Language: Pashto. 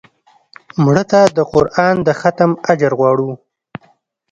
مړه ته د قرآن د ختم اجر غواړو